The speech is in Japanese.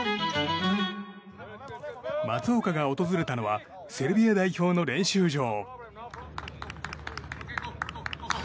松岡が訪れたのはセルビア代表の練習場。